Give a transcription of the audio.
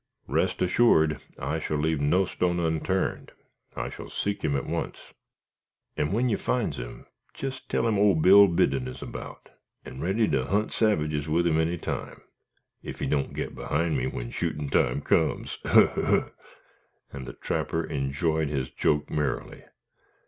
"Rest assured I shall leave no stone unturned. I shall seek him at once." "And when you finds him, jest tell him old Bill Biddon is about, and ready to hunt savages with him any time, ef he don't git behind me when shootin' time comes. Ogh! ogh!" and the trapper enjoyed his joke merrily.